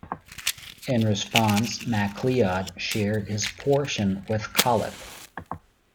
In response, MacLeod shared his portion with Collip.